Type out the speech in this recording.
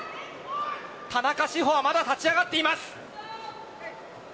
田中志歩はまだ立ち上がっています。